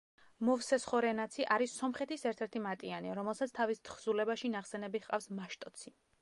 მოვსეს ხორენაცი არის სომხეთის ერთ-ერთი მატიანე, რომელსაც თავის თხზულებაში ნახსენები ჰყავს მაშტოცი.